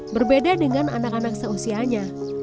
berbeda dengan anak anak seusianya